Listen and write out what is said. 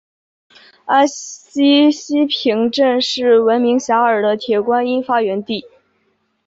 安溪西坪镇是名闻遐迩的铁观音发源地。